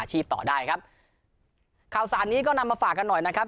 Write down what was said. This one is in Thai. ต่อได้ครับข่าวสารนี้ก็นำมาฝากกันหน่อยนะครับ